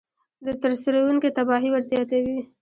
د ترسروونکي تباهي ورزیاتوي.